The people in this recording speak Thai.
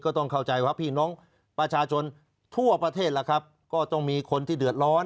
ต้องเข้าใจว่าพี่น้องประชาชนทั่วประเทศล่ะครับก็ต้องมีคนที่เดือดร้อน